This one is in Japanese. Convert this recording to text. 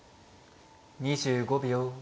２５秒。